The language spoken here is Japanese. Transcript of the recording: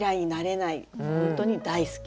本当に大好き。